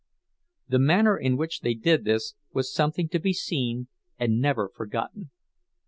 The manner in which they did this was something to be seen and never forgotten.